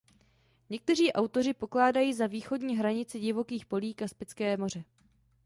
Někteří autoři pokládají za východní hranici Divokých polí Kaspické moře.